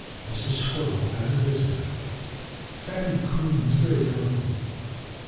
XIV Mrs. Squirrel Has a Visitor Fatty Coon was very hungry.